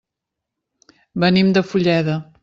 Venim de Fulleda.